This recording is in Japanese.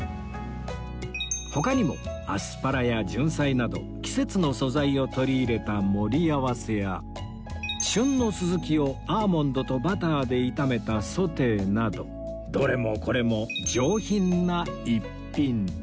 他にもアスパラやジュンサイなど季節の素材を取り入れた盛り合わせや旬の鱸をアーモンドとバターで炒めたソテーなどどれもこれも上品な逸品